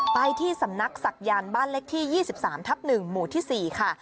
ไปที่สำนักศักยานบ้านเลขที่๒๓ทับ๑หมู่ที่๔ค่ะ